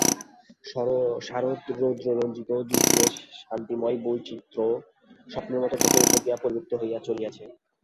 শারদরৌদ্ররঞ্জিত দুই তীরের শান্তিময় বৈচিত্র্য স্বপ্নের মতো চোখের উপর দিয়া পরিবর্তিত হইয়া চলিয়াছে।